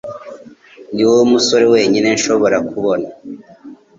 Niwowe musore wenyine nshobora kubona.